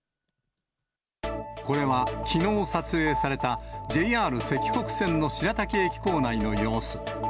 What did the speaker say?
これはきのう撮影された、ＪＲ石北線の白滝駅構内の様子。